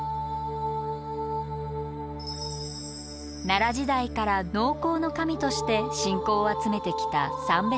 奈良時代から農耕の神として信仰を集めてきた